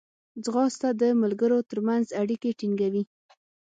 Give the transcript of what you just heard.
ځغاسته د ملګرو ترمنځ اړیکې ټینګوي